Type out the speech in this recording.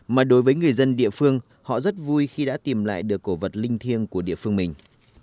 mà đối với người dân địa phương họ rất vui khi đã tìm lại được cổ vật linh thiêng của địa phương mình